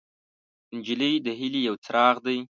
نجلۍ د هیلې یو څراغ دی.